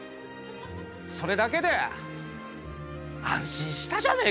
それだけで安心したじゃねえか。